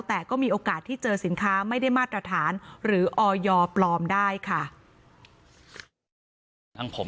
แต่ก็มีโอกาสที่เจอสินค้าไม่ได้มาตรฐานหรือออยปลอมได้ค่ะ